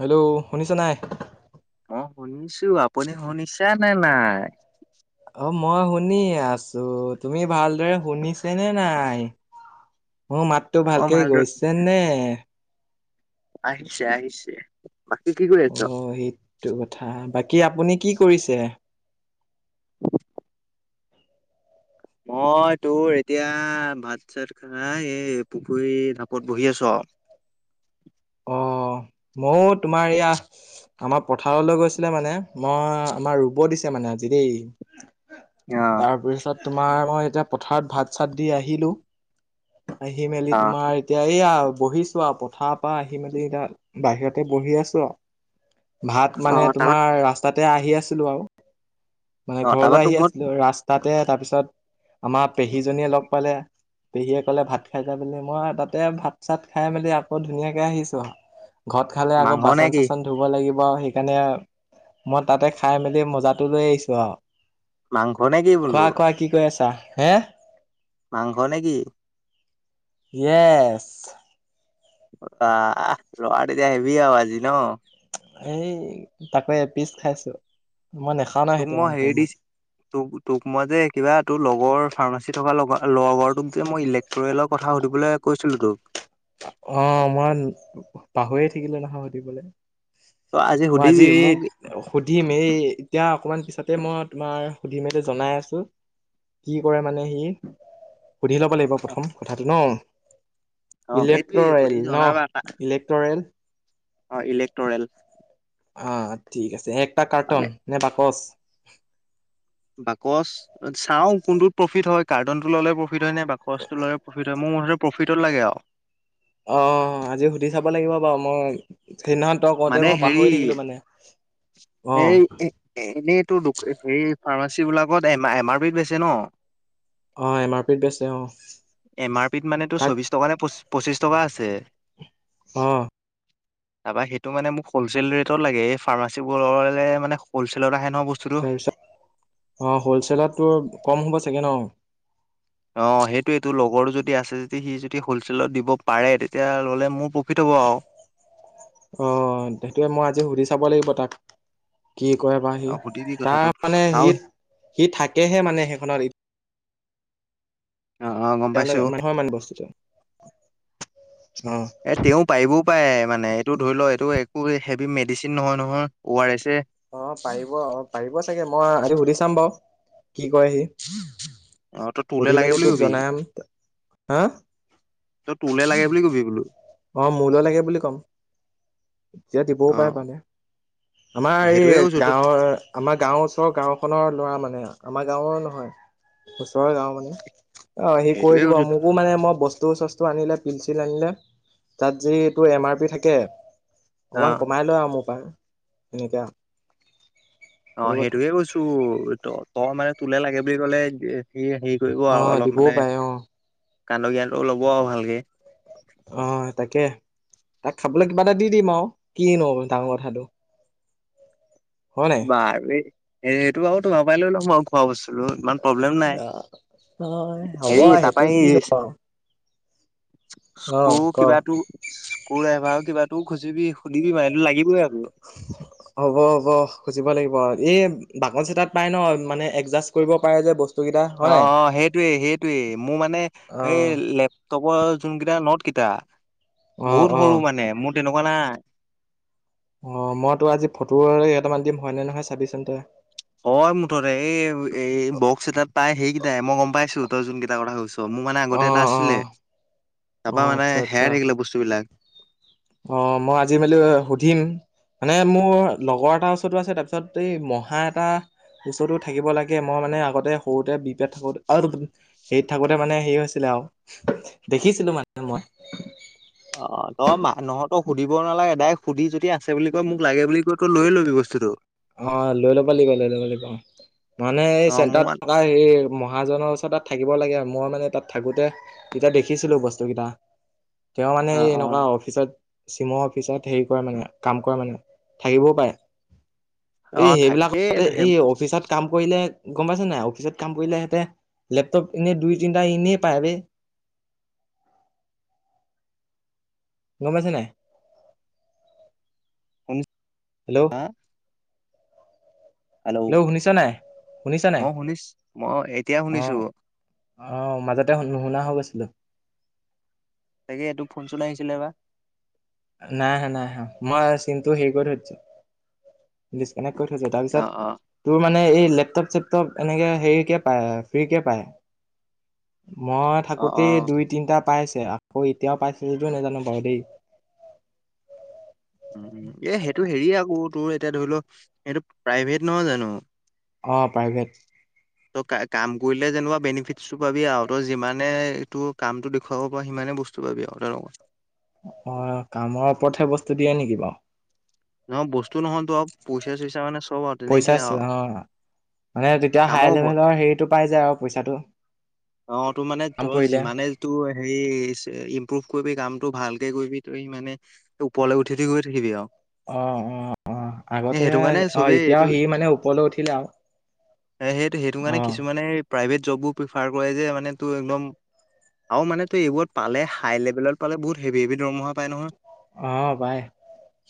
Hello শুনিছ নাই। অ, শুনিছো আপুনি শুনিছা নে নাই। অ, মই শুনি আছো তুমি ভালদৰে শুনিছে নে নাই? মোৰ মাতটো মই ভালকে ভালদৰে গৈছে নে? আহিছে-আহিছে। বাকী কি কৰি অ, সেইটো কথা বাকী আপুনি কি কৰিছে? [unintelligible] মই তোৰ এতিয়া ভাত চাত খাই এই পুখুৰী ঢাপত বহি আছো আৰু। মও তোমাৰ এয়া আমাৰ পথাৰলৈ গৈছিলে মানে মই আমাৰ ৰুব দিছে মানে আজি দেই তাৰপিছত তোমাৰ মই এতিয়া পথাৰত ভাত- চাত দি আহিলোঁ। আহি মেলি অ তোমাৰ এতিয়া এইয়া বহিছোঁ আৰু পথাৰ পা আহি মেলি [unintelligible] বাহিৰতে বহি আছো ৰ ' ভাত অ মানে তাৰপা তোমাৰ ৰাচ ৰাস্তাতে আহি আছিলো আৰু মানে অ তাৰপা ঘৰলে তোক আহি মই আছিলো ৰাস্তাতে তাৰপিছত আমাৰ পেহীজনীয়ে লগ পালে। পেহীয়ে কলে ভাত খাই যায় বুলি মই তাতে ভাত চাত খাই মেলি আকৌ ধুনীয়াকে আহিছো আৰু। ঘৰত খালে আকৌ মাংস নে বাচন কি? চাচন ধুব লাগিব আৰু সেইকাৰণে মই তাতে খাই মেলি মজাটো লৈ আহিছো আৰু। মাংস নে কি বোলো কোৱা-কোৱা কি কৈ আছা হে মাংস নে কি? ইয়েছ। [unintelligible] আহিবি আৰু আজি ন? সেই তাপে এপিচ খাইছো মই নেখা তোক মই হেৰি দি তোক- তোক মই যে কিবা তোৰ লগৰ ফাৰ্মাচী থকা লগ- লগৰ তোক যে ইলে ট্ৰুয়েলৰ কথা সুধিবলে কৈছিলোঁ তোক। অ, মই পাহৰিয়ে থাকিলোঁ নহয় সুধিবলে। তই মই সুধিবি আজি মোক সুধিম এই এতিয়া অকমান পিছতে মই তোমাৰ সুধি মেলি জনাই আছোঁ। কি কৰে মানে সি সুধি ল'ব লাগিব অ প্ৰথম কথাটো ন'। অ সেইটোয়ে সুধি ইলেক্টৰেল জনাবা ন' ইলেক্টৰেল? অ, ইলেক্ট্ৰৰেল। অ, ঠিক আছে হে একটা মানে কাৰ্টন নে বাকচ? বাকচ চাও কোনটোত প্ৰফিট হয় কাৰ্টনতো ল'লে প্ৰফিট হয় নে বাক খৰচটো লাগে প্ৰফিট হয় মোৰ মুঠতে প্ৰফিটত লাগে আওঁ। অ, আজি সুধি চাব লাগিব বাৰু মই সেইদিনাখন তই কওঁতে মানে মই হেৰি পাহৰি থাকিলোঁ মানে অ। এনেইটো [unintelligible] হেৰি ফাৰ্মাচী বিলাকত এমা-এম আৰ পিত বেছে ন? অ, এম আৰ পিত বেছে অ। এম আৰ পিত মানে তাক চৌবিছ টকা নে পঁচিছ টকা আছে। অহ', তাৰপা সেইটো মানে মোক হ'লচেল ৰেটত লাগে এই ফাৰ্মাচী বোৰলে মানে হ'লচেলত আহে ন' বচ তাৰপিছত অ, হলচেলতটো কম হ'ব চাগে ন? অ, সেইটোয়েটো লগৰটো যদি আছে যদি সি যদি হ'লচেলত দিব পাৰে তেতিয়া ৰ'লে মো [unintelligible] অ, সেইটোয়ে মই আজি সুধি চাব লাগিব তাক। কি কৰে বা সি সুধিবি তাৰ কথাটো মানে আৰু সিত সি থাকেহে মানে সেইখনত অ', অ', গম তেতিয়া হলে পাইছো [unintelligible] মান বস্তুটো অ। এ তেওঁ পাৰিবও পাৰে মানে এইটো ধৰি লও এইটো একো হেভি মেডিচিন নহয়-নহয় অ আৰ ৰেছে। অ, পাৰিব অ, পাৰিব চাগে মই আজি সুধি চাম বাৰু কি কয় হি। অ তই তোলে সুধি লাগে মেলি বুলি তোক কবি জনাম হা তু তোলে লাগে বুলি কবি বোলো। অ, মোলৈ লাগে বুলি কম। এয়া দিবও অ পাৰে পালে আমাৰ এই সেইটোয়ে কৈছো ত গাঁৱৰ আমাৰ গাঁৱৰ ওচৰৰ গাঁওখনৰ ল'ৰা মানে আমাৰ গাঁৱৰ নহয় ওচৰৰ গাঁও মানে। অ, সি সেইটোয়ে কৈ দিব কৈছো মোকো মানে মই বস্তু- চস্তু আনিলে পিল -চিল আনিলে। তাত যি তোৰ এম আৰ পি থাকে অ অকমান কমাই লয় আৰু মোৰ পাৰ এনেকা অ, সেইটোকে কৈছো ত' তই মানে তোলে লাগে বুলি ক'লে হে হেৰী ফুৰিব অ আৰু অলপ দিবও মানে পাৰে অ কান্দ জ্ঞানটো ল'ব আৰু ভালকে। অ' তাকে তাক খাবলৈ কিবা এটা দি দিম আৰু কিনো ডাঙৰ কথাটো। হয় বাৰু সেইটো আৰু তোমাৰ পাইয়ে লৈ লম আৰু খোৱা বস্তুটো ইমান প্ৰব্লেম নাই। অ' হ'ব হেৰি তাৰপা সেইটো এই কি নু আও। স্ক্ৰু ক কিবাটো স্ক্ৰু ডাইভাৰৰ কিবাটো খুজিবি সুধিবি এইটো লাগিবই আকৌ। হ'ব- হ'ব খুজিব লাগিব এই বাকচ এটাত পাই ন' মানে এডজাষ্ট কৰিব পাৰে যে বচ অ'হ, অ'হ সেইটোৱে সেইটোৱে মোৰ মানে অ লেপ কব যোনকেইটা নট কেইটা, অ বহুত অ সৰু মানে মোৰ তেনেকুৱা নাই। অ' মইতো আজি ফটোৰে কেইটামান দিম হয়নে, নহয়, চাবি চোন তই। হয় মুঠতে এই -এই বক্স এটাত পাই সেইকেইটাই মই গম পাইছো তই যোন কেইটা কথা কৈছ। ত' মোৰ মানে অ আগতে এটা অ আছিলে। তাৰপা অ' মানে আচ্ছা হেৰাই -আচ্ছা থাকিলে বস্তুবিলাক অ 'মই আজি মেলি সুধিম। মানে মোৰ লগৰ এটাৰ ওচৰতো আছে। তাৰপিছত এই মহা এটা। বচুটো থাকিব লাগে মই মানে আগতে সৰুতে বিহপুৰীয়াত থাকোঁ তে হেৰিত থাকোতে মানে হেৰি হৈছিলে আৰু দেখিছিলো মানে মই। অ' তই মা নহতো সুধিব নালাগে ডাইৰেক্ট সুধি যদি। যদি আছে বুলি কয় মোক লাগে বুলি কয় তই লৈ ল'বি বস্তুতটো। অ' লৈ লব লাগিব লৈ ল'ব লাগিব অ মানে এই অ মোৰ মান চেণ্টাৰত। তাৰ এই মহাজনৰ ওচৰত তাত থাকিব লাগে। আৰু মই মানে তাত থাকোঁতে। এতিয়া দেখিছিলো বস্তু কেইটা তেওঁ মানে অ এই অ এনেকুৱা অফিচত। চিমৰ অফিচত হেৰি কৰে মানে কাম কৰা মানে থাকিবও পাৰে। অ এই থাকেই সেইবিলাকতে এই অফিচত। কাম কৰিলে গম পাইছে নাই অফিচত কাম কৰিলে সিহঁতে লেপটপ এনেই দুই তিনটা এনেই পায় বেই। গম পাইছে নাই। শুনিছা হেল্ল,। হেল্ল' শুনিছ নাই শুনিছা নাই মই শুনিছ মই এতিয়া শুনিছো অ' অ'মাজতে শু নুশুনা হৈ গৈছিলো। তাকে এইটো ফোন চোনা আহিছিলে বা। নাই অহা নাই অহা মই চিমটো হেৰি কৰি থৈ দিছোঁ। ডিচকানেক্ট কৰি থৈছে অ অ তাৰপিছত। তোৰ মানে এই লেপটপ চেপটপ এনেকে হেৰি কে পায় ফ্ৰী কে পায়। মই অ অ থাকোতেই দুই তিনটা পাইছে আকৌ এতিয়াও পাইছে যদিও নাজানো বাৰু দেই। এ সেইটো হেৰিয়ে আকৌ তোৰ। এতিয়া ধৰি লওক এইটো প্ৰাইভেট নহয়, জানো। অ' প্ৰাইভেট ত কা কাম কৰিলে যেনিবা বেনিফিটটোচটো পাবি আও ত যিমানে এইটো কামতটো দেখুৱাব পাৰ সিমানে বস্তু। বস্তু পাবি আও [inaudible] অ' কামৰ ওপৰতহে বস্তু দিয়ে নেকি বাৰু নহয় বস্তু নহয় তো আউ পইচা চইচা মানে চব আউ। পইচাচ অ' মানে তেতিয়া কামৰ হাই ওপৰত। লেভেলৰ হেৰিতটো পাই যায় আৰু পইচাটো। অ' তোৰ মানে কাম তোৰ কৰিলে যিমানে টোৰ হেৰী ইম্প্ৰুভ কৰিবি কামতটো ভালকে কৰিবি ত ইমানে। ওপৰলৈ উঠি উঠি গৈ থাকিবি আউ। অ - অ -অ আগতে কাৰণে অ চবেই এতিয়াও এইটো সি মানে ওপৰলৈ উঠিলে আউ সেইটো সেইটো কাৰণে কিছুমানে প্ৰাইভেট জবো প্ৰিফাৰ কৰে যে মানে ত একদম। আউ মানে তো এইবোৰত পালে হাই লেভেলত পালে বহুত হেভি হেভি দৰমহা পাই নহয়। অ' পাই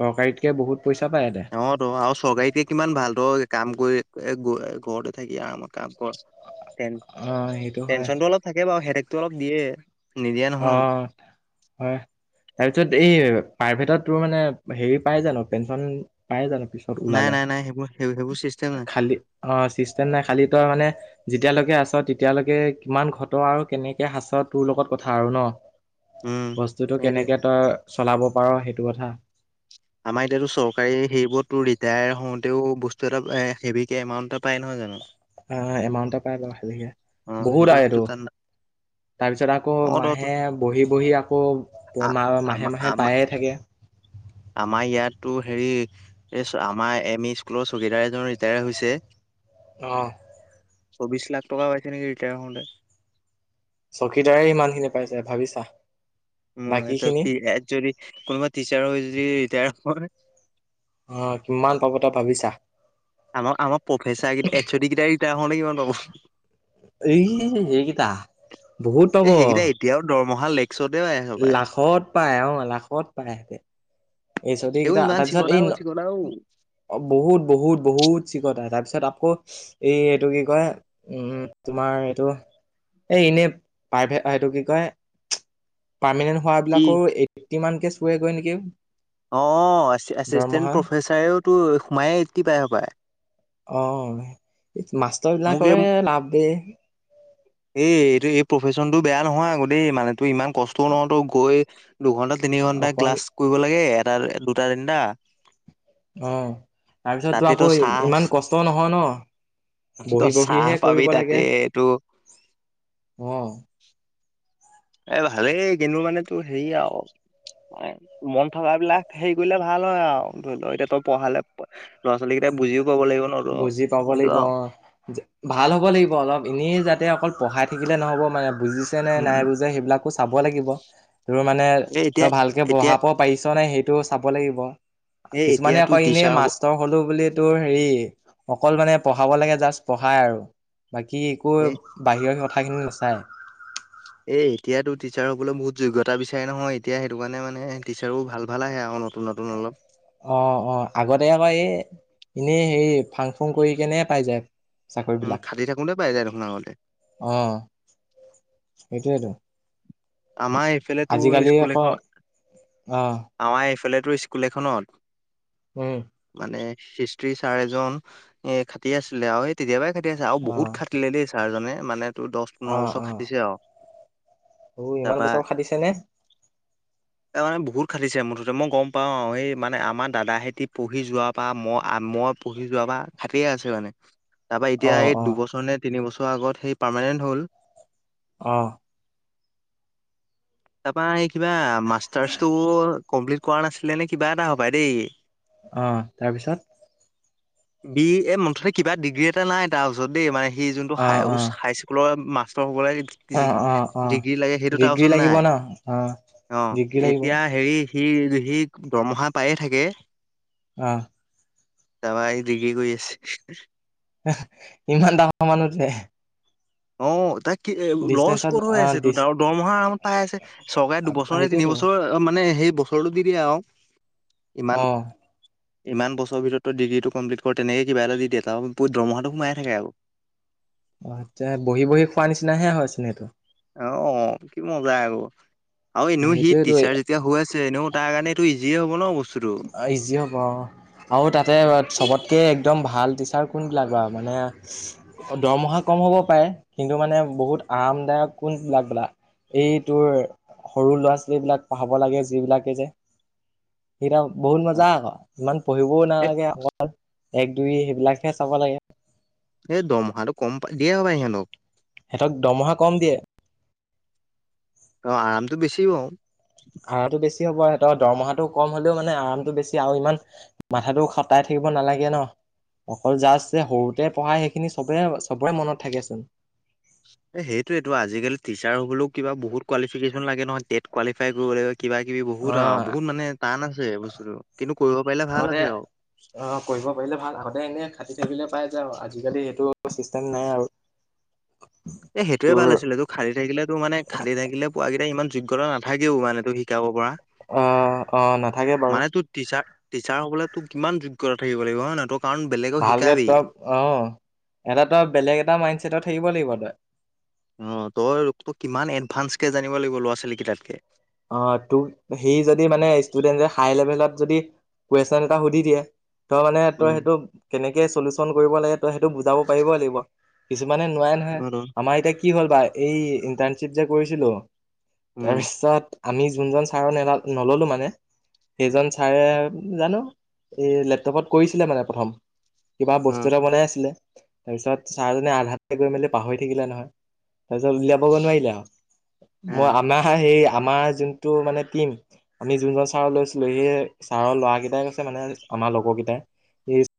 চৰকাৰীতকে বহুত পইচা পায় ইহতে অ' ত আও চৰকাৰীতকে কিমান ভাল ত কাম কৰি এ গ এ ঘৰতে থাকি আৰামত কাম কৰ। তেন অ হেই পেঞ্চনটো অলপ থাকে বাও হেডেকটো অলপ দিয়ে নিদিয়া অ নহয় হয় তাৰ পিছত এই প্ৰাইভেটত তোৰ মানে হেৰি পাই জানো পেঞ্চন পায় জানো পিছত নাই ওলালে নাই -নাই সেইবোৰ সেইবোৰ চিষ্টেম নাই। খালি অ' চিষ্টেম নাই খালি তই মানে যেতিয়ালৈকে আছ তেতিয়ালৈকে কিমান ঘট আৰু কেনেকে সাঁচ তোৰ লগত। কথা আৰু ন উম। বস্তুতটো সেইটোৱে কেনেকে তই চলাব পাৰ সেইটো কথা। আমাৰ এতিয়াতো চৰকাৰী সেইবোৰতো ৰিটায়াৰ হওঁতেও বস্তু এটা এ হেভিকে এমাউণ্ট এটা পাই নহয় জানো অ এমাউণ্ট পাই বাৰু সেভিকে অ' সেইটো বহুত আহ সেইটো এইটো তাত না তাৰপিছত আকৌ অ' ত মাহে বহি বহি আকৌ মা আমাৰ মাহে মাহে আমাৰ পায়ে থাকে আমাৰ ইয়াতো হেৰি এইচ আমাৰ এম ই স্কুলৰ চকীদাৰ এজন ৰিটায়াৰ হৈছে অ চৌবিশ লাখ টকা পাইছে নেকি ৰিটায়াৰ হওঁতে চকীদাৰেই ইমান খিনি পাইছে ভাবিছা উ বাকী খিনি যদি এ যদি কোনোবা টিচাৰ হৈ যদি ৰিটায়াৰ হয় অ কিমান পাব তই ভাবিছা আম আম প্ৰফেচাৰ কেইটা এইচ অ দি কেইটা ৰিটায়াৰ হলে কিমান পাব এই এইকেইটা বহুত পাব এই সেইকেইটা এতিয়াও দৰমহা লেক লাখত পায় অ লাখত পায় সেতে এইচ অ দি এইবোৰ কেইটা ইমান তাৰপিছত এই চিকটাও চিকটাও অ বহুত বহুত বহুত চিকটা আহ তাৰপিছত আকৌ এই এইটো কি কয় উম তোমাৰ এইটো এই এনেই প্ৰাইভেট এইটো কি কয় পাৰ্মেনেন্ট কি হোৱাবিলাকৰো এইটটি মান কে চোৱেগৈ নেকি অ এচিষ্টেণ্ট দৰমহা প্ৰফেচাৰেওতো সোমায় এইটটি পায় হপায় অ মাষ্টৰ মোক এই বিলাকৰে লাভদে এই এইটো এই প্ৰফেশচনতটো বেয়া নহয় আগৌ দেই মানে তোৰ ইমান কষ্টও নহয় ত গৈ দুঘন্টাত তিনি ঘন্টা অকল ক্লাছ কৰিব লাগে, এটা দুটা তিনিটা অ তাৰপিছত তো তাতে আকৌ তই চাহ ইমান কষ্ট নহয় ন তই বহি চাহ বহিহে পাবি কৰিব তাতে লাগে এইটো অ এই ভালেই কিন্তু মানে তো হেৰি আউ মন থকা বিলাক হেৰি কৰিলে ভাল হয় আও ধৰি লও এতিয়া তই পঢ়ালে ল'ৰা ছোৱালীকেইটাই বুজিও পাব লাগিব ন তো, বুজি পাব কিন্তু লাগিব আৰু অহ ভাল হ'ব লাগিব অলপ এনেই যাতে অকল পঢ়াই থাকিলে নহ'ব মানে বুজিছে নে নাই উম বুজা সেইবিলাক চাব লাগিব ৰোৰ মানে এ তই এতিয়া ভালকে এতিয়া পঢ়াব পাৰিছ নে সেইটো চাব লাগিব এ কিছুমানে এতিয়াতো আকৌ এনে টিচাৰ হ'ব মাচ ষ্টৰ হলো বুলি তোৰ হেৰি অকল মানে পঢ়াব লাগে জাষ্ট পঢ়াই আৰু বাকী একো এ বাহিৰৰ কথাখিনি নাচায় এই এতিয়াতো টিচাৰ হ'বলৈ বহুত যোগ্যতা বিচাৰে নহয় এতিয়া সেইটো কাৰণে মানে টিচাৰো ভাল ভাল আহে নতু নতুন নতুন অলপ অ অ আগতে আমাৰ এই এনেই হেৰি ফাং ফুং কৰি কেনে পাই যায় উম চাকৰিবিলাক খাটি থাকোতে পাই যায় দেখোন আগতে অ সেইটোৱেত আমাৰ এইফালে তোৰ স্কুল আকৌ এখন অ আমাৰ এইফালে তোৰ স্কুল এখনত উম মানে হিষ্টৰি ছাৰ এজন এ খাটি আছিলে আৰু তেতিয়া পৰাই খাটি আছে আও অ বহুত খাটিলে দেই ছাৰজনে মানে তোৰ দহ পোন্ধৰ বছৰ খাটিছে আও অও ইমান বছৰ খাটিছে নে [unintelligible] তাৰানে বহুত খাটিছে মুঠতে মই গম পাওঁ আৰু সেই মানে আমাৰ দাদাহেতি পঢ়ি যোৱাৰ পৰা মই আ মই পঢ়ি যোৱা বা খাটিয়ে আছে মানে তাৰ পা এতিয়া অ এই অ দুবছৰ নে তিনি বছৰ আগত সেই পাৰমানেণ্ট হল অ তাৰাপা এই কিবা মাষ্টাৰ্চটো কমপ্লিট কৰা নাছিলে নে কিবা এটা হপাই দেই অ তাৰপিছত বি এ মুঠতে কিবা ডিগ্ৰী এটা নাই তাৰ ওচৰত দেই মানে সি যোনটো অ হাই অ হাইস্কুলৰ মাষ্টৰ হবলে অ অ অ ডিগ্ৰী লাগিব নাই ন অ অ ডিগ্ৰী লাগিব এতিয়া হেৰি সি সি দৰমহা পায়ে থাকে অ তাপা সি ডিগ্ৰী কৰি আছে আ ইমান ডাঙৰ মানুহ যে অ তাক কি লছ ডিচটেঞ্চত ক'ত হৈ অ আছে ডিচ তোৰ আৰু দৰমহা আৰামত পাই আছে চৰকাৰে দুবছৰ নে তিনি সেইটোৱেতো বছৰ মানে সেই বছৰতো দি দিয়ে আৰু অ ইমান ইমান বছৰ ভিতৰতো ডিগ্ৰীটো কমপ্লিট কৰ তেনেকে কিবা এটা দি দিয়ে আৰু তাৰ দৰমহাটো সোমাই থাকে আকৌ অ আচ্ছা বহি বহি খোৱা নিচিনা হে হয় চোন সেইটো অ কি মজা আকৌ আৰু এনেও সি সেইটোৱেতো টিচাৰ যেতিয়া হৈ আছে এনেও তাৰ কাৰণে এইটো ইজিয়ে হব ন বস্তুটো অ ইজি হ'ব অ আৰু তাতে চবতকে একদম ভাল টিচাৰ কোনবিলাক বাও মানে দৰমহা কম হ'ব পাৰে কিন্তু মানে বহুত আৰামদায়ক কোন বিলাক বেলা এই তোৰ সৰু ল'ৰা ছোৱালী বিলাক পঢ়াব লাগে যে যিবিলাকে যে সেইকেইটা বহুত মজা আকৌ ইমান পঢ়িবও এ নালাগে অকল এক দুই সেইবিলাকহে চাব লাগে এই দমহাটো কম পাই দিয়ে হপাই সিহঁতক সেতক দৰমহা কম দিয়ে অ আৰামতো বেছি বাও ভাড়াতো বেছি হ'ব সেতৰ দৰমহাটো কম হ'লেও মানে আৰামতো বেছি আৰু ইমান মাথাতো খটাই থাকিব নালাগে ন অকল জাষ্ট যে সৰুতে পঢ়ায় সেইখিনি চবে চবৰে মনত থাকেচোন এ সেইটোয়েটো আজি কালি টিচাৰ হবলেও কিবা বহুত কোৱালিফিকেশ্যন লাগে নহয় টেট কোৱালিফাই কৰিব লাগে কিবা কিবি বহুত অ আও বহুত মানে টান আছে বস্তুটো কিন্তু কৰিব পাৰিলে ভাল আগতে আছে আও অ কৰিব পাৰিলে ভাল আগতে এনে খাটি থাকিলে পাই যা আজিকালি সেইটো চিষ্টেম নাই আৰু এ সেইটোয়ে তোৰ ভাল আছিলে তোক খালী থাকিলেতো মানে খালী থাকিলে পোৱাকেইটা ইমান যোগ্যতা নাথাকেও মানে তো শিকাব পৰা অ অ নাথাকে বাও টিচাত টিচাৰ হ'বলে তোক কিমান যোগ্যতা থাকিব লাগিব হয় নহয় তোক কাৰণ বেলেগ ভালকে তই অ এটা তই বেলেগ এটা মাইণ্ডছেটত থাকিব লাগিব তই অ তই তোক কিমান এডভান্সকে জানিব লাগিব ল'ৰা ছোৱালী কেইটাতকে অ তোক সি যদি মানে ষ্টুডেণ্টে হাই লেভেলত যদি কুৱেশন এটা সুধি দিয়ে তই মানে তই উম, সেইটো কেনেকে চলিউচন কৰিব লাগে তই সেইটো বুজাব পাৰিব লাগিব কিছুমানে নোৱাৰে নহয় আৰু আমাৰ এতিয়া কি হ'ল বা এই ইণ্টাৰ্ণশ্বিপ যে কৰিছিলো উম, তাৰপিছত আমি যোনজন ছাৰৰ ন নললো মানে সেইজন ছাৰে জানো এই লেপটপত কৰিছিলে মানে প্ৰথম কিবা উম। বস্তু এটা বনাই আছিলে তাৰপিছত ছাৰ জনে আধাতে গৈ মেলি পাহৰি থাকিলে নহয় তাৰপিছত উলিয়াবগে নোৱাৰিলে আৰু এ মই আমাৰ সেই আমাৰ যোনটো মানে টিম আমি যোনজন ছাৰ লৈছিলো সেই ছাৰৰ ল'ৰাকেইটাই কৈছে মানে আমাৰ লগৰ কেইটাই